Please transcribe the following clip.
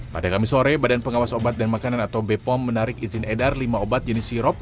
pada kamis sore badan pengawas obat dan makanan atau bepom menarik izin edar lima obat jenis sirop